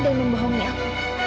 dan membohongi aku